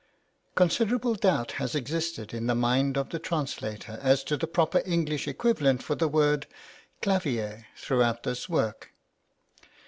CONSIDERABLE doubt has existed in the mind of the translator as to the proper English equivalent for the word "clavier" throughout this work.